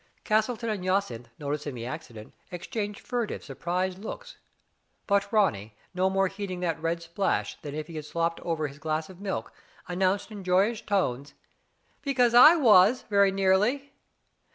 Castleton and Jacynth, noticing the accident, exchanged furtive, surprised looks. But Ronny, no more heeding that red splash than if he had slopped over his glass of milk, announced in joy ous tones, Because I was — very nearly.